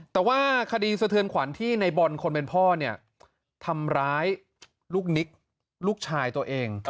แต่ว่าคดีสะเทือนขวัญที่ในบอลคนเป็นพ่อเนี่ยทำร้ายลูกนิกลูกชายตัวเอง